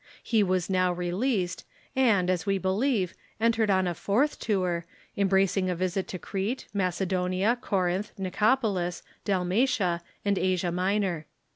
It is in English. He Avas now released, and, as we believe, entered on a fourth tour, embracing a visit to Crete, Macedo nia, Corinth, Nicopolis, Dalmatia, and Asia Minor.